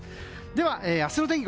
では明日の天気